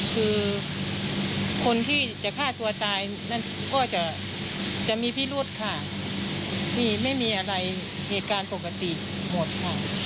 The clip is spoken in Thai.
คือคนที่จะฆ่าตัวตายนั่นก็จะมีพิรุธค่ะไม่มีอะไรเหตุการณ์ปกติหมดค่ะ